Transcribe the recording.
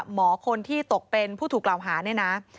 หมอคนที่ตกเป็นผู้ถูกกล่าวหาเนี่ยนะ